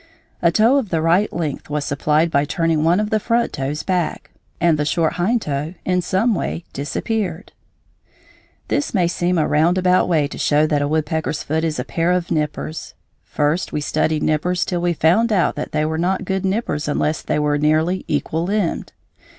A toe of the right length was supplied by turning one of the front toes back, and the short hind toe in some way disappeared. This may seem a roundabout way to show that a woodpecker's foot is a pair of nippers. First we studied nippers till we found out that they were not good nippers unless they were nearly equal limbed.